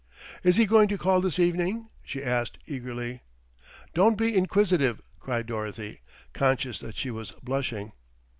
"Is he going to call this evening?" she asked eagerly. "Don't be inquisitive," cried Dorothy, conscious that she was blushing.